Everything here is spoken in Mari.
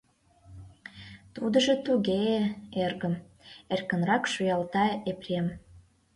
— Тудыжо туге-э, эргым, — эркынрак шуялта Епрем.